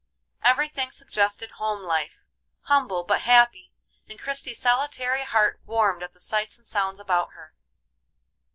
Every thing suggested home life, humble but happy, and Christie's solitary heart warmed at the sights and sounds about her.